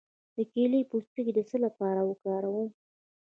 د کیلې پوستکی د څه لپاره وکاروم؟